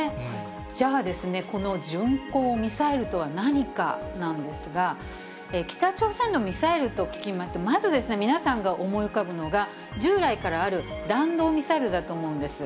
じゃあですね、この巡航ミサイルとは何かなんですが、北朝鮮のミサイルと聞きますと、まず皆さんが思い浮かぶのが、従来からある弾道ミサイルだと思うんです。